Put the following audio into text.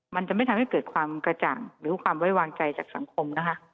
มันจะไม่ทำให้เกิดความกระจ่างหรือความไว้วางใจจากสังคมนะคะ